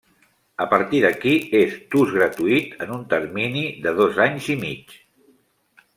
A partir d'aquí, és d'ús gratuït en un termini de dos anys i mig.